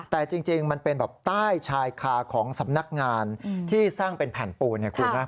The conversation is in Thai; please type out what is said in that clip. แต่จริงมันเป็นแบบใต้ชายคาของสำนักงานที่สร้างเป็นแผ่นปูน